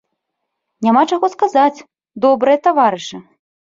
Няма чаго сказаць, добрыя таварышы!